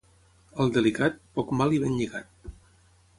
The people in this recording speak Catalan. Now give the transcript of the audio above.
Al delicat, poc mal i ben lligat.